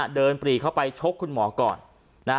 ปรีเข้าไปชกคุณหมอก่อน